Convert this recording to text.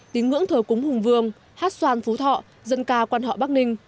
tín ngưỡng thờ cúng hùng vương hát xoan phú thọ dân ca quan họ bắc ninh